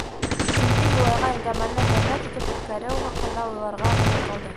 Инде Юлайға әңгәмәне һәйбәт итеп үткәреү хаҡында уйларға ғына ҡалды.